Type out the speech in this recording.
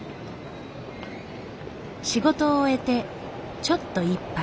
仕事を終えてちょっと一杯。